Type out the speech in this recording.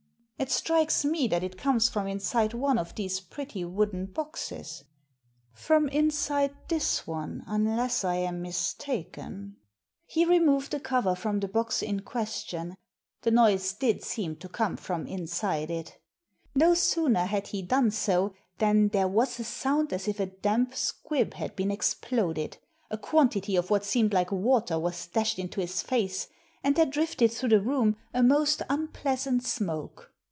It strikes me that it comes from inside one of these pretty wooden boxes — from inside this one, unless I am mistaken." He removed the cover from the box in question — the noise did seem to come from inside it No Digitized by VjOOQIC 258 THE SEEN AND THE UNSEEN sooner had he done so than there was a sound as if a damp squib had been exploded, a quantity of what seemed like water was dashed into his face, and there drifted through the room a most unpleasant smoke.